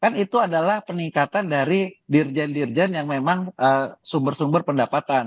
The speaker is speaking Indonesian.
kan itu adalah peningkatan dari dirjen dirjen yang memang sumber sumber pendapatan